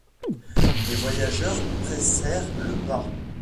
Les voyageurs pressèrent le pas